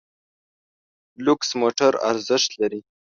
لوکس موټر ارزښت لري.